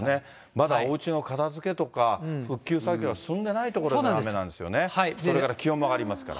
まだおうちの片づけとか、復旧作業が進んでない所が雨なんですよね、それから気温も上がりますから。